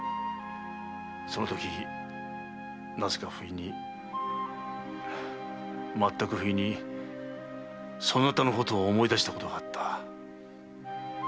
そのときなぜか不意にまったく不意にそなたのことを思い出したことがあった。